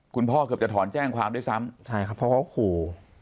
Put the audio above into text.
เกือบจะถอนแจ้งความด้วยซ้ำใช่ครับเพราะเขาขู่